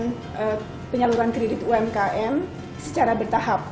dengan penyaluran kredit umkm secara bertahap